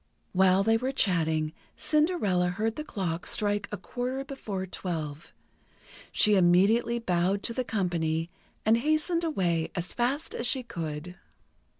While they were chatting, Cinderella heard the clock strike a quarter before twelve. She immediately bowed to the company, and hastened away as fast as she could.